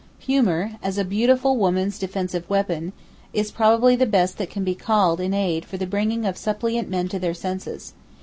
Humour, as a beautiful woman's defensive weapon, is probably the best that can be called in aid for the bringing of suppliant men to their senses.